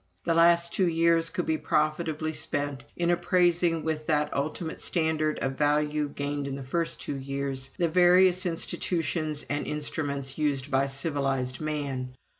The last two years could be profitably spent in appraising with that ultimate standard of value gained in the first two years, the various institutions and instruments used by civilized man.